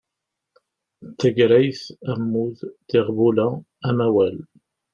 Tagrayt, ammud, tiɣbula, amawal